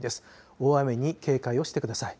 大雨に警戒をしてください。